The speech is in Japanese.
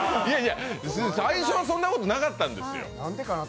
いやいや、最初はそんなことなかったんですよ。